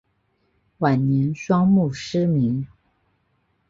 晚年双目失明。